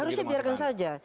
harusnya biarkan saja